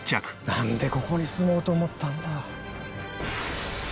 なんでここに住もうと思ったんだ？